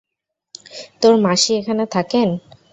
তোর মাসি এখানে থাকেন?